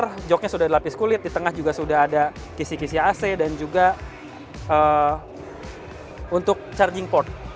karena jognya sudah dilapis kulit di tengah juga sudah ada kisi kisi ac dan juga untuk charging port